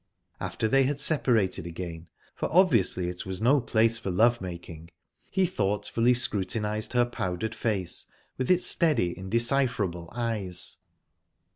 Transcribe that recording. After they had separated again for obviously it was no place for love making he thoughtfully scrutinised her powdered face, with its steady, indecipherable eyes.